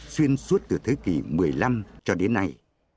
xuyên suốt từ thế kỷ một mươi năm cho đến nay